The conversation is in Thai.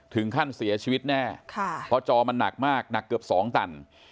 ถึงขั้นเสียชีวิตแน่เพราะจอมันหนักมากหนักเกือบสองตัน